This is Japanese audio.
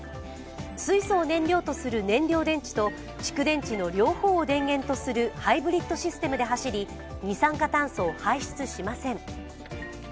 水素を燃料とする燃料電池と蓄電池の両方を電源とするハイブリッドシステムで走り二酸化炭素を排出しません。